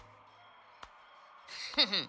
フフッ。